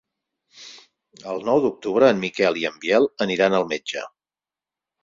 El nou d'octubre en Miquel i en Biel aniran al metge.